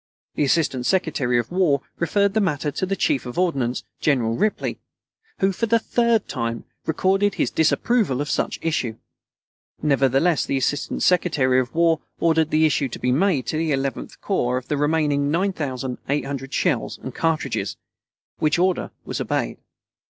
The Assistant Secretary of War referred the matter to the Chief of Ordnance, General Ripley, who for the third time recorded his disapproval of such issue. Nevertheless, the Assistant Secretary of War ordered the issue to be made to the Eleventh corps of the remaining 9,800 shells and cartridges, which order was obeyed.